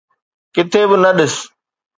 ڪٿي به نه ڏس